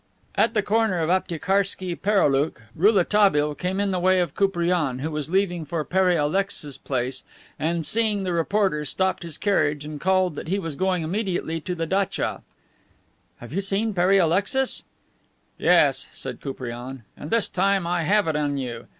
At the corner of Aptiekarski Pereoulok Rouletabille came in the way of Koupriane, who was leaving for Pere Alexis's place and, seeing the reporter, stopped his carriage and called that he was going immediately to the datcha. "You have seen Pere Alexis?" "Yes," said Koupriane. "And this time I have it on you.